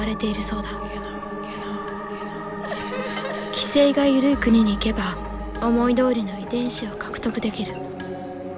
規制が緩い国に行けば思いどおりの遺伝子を獲得できる。